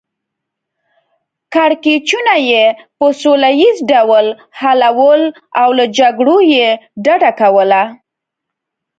کړکیچونه یې په سوله ییز ډول حلول او له جګړو یې ډډه کوله.